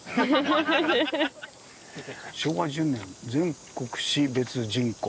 「昭和１０年全国市別人口」。